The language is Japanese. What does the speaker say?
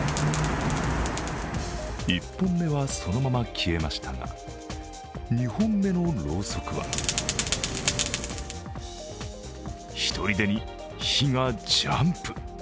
１本目はそのまま消えましたが２本目のろうそくは、ひとでに火がジャンプ。